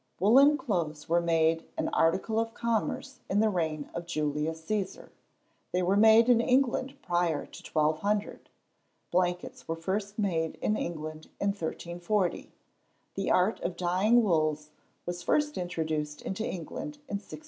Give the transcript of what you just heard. Woollen clothes were made an article of commerce in the reign of Julius Cæsar. They were made in England prior to 1200. Blankets were first made in England in 1340. The art of dyeing wools was first introduced into England in 1608.